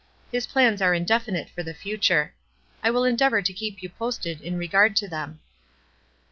His plans are indefinite for the future. I will en deavor to keep you posted in regard to them."